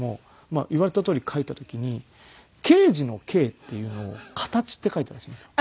言われたとおり書いた時に刑事の「刑」っていうのを「形」って書いたらしいんですよ。